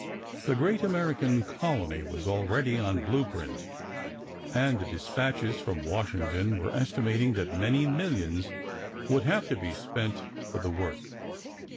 The great American colony was already on blue print, and the despatches from Washington were estimating that many millions would have to be spent for the work.